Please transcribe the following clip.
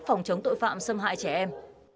phòng chống tội phạm xâm hại trẻ em